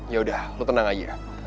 yaudah lo tenang aja ya